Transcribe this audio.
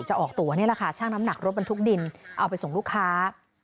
ออกตัวนี่แหละค่ะช่างน้ำหนักรถบรรทุกดินเอาไปส่งลูกค้า